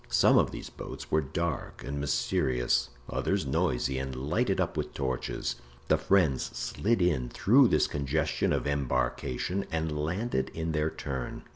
Some of these boats were dark and mysterious, others noisy and lighted up with torches. The friends slid in through this congestion of embarkation and landed in their turn.